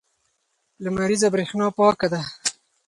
لمریزه برېښنا پاکه ده.